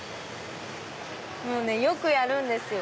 もうねよくやるんですよ。